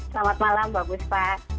selamat malam bapak bustad